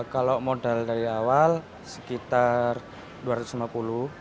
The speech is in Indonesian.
kalau modal dari awal sekitar rp dua ratus lima puluh